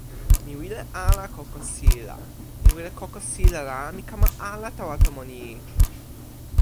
mi wile ala kokosila. mi wile kokosila la mi kama ala tawa tomo ni.